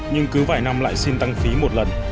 nhưng cứ vài năm lại xin tăng phí một lần